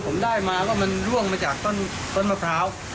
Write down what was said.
ผมได้มาว่ามันร่วงมาจากต้นมะพร้าว